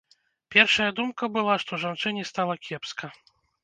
Першая думка была, што жанчыне стала кепска.